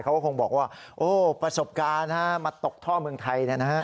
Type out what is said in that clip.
เขาก็คงบอกว่าโอ้ประสบการณ์มาตกท่อเมืองไทย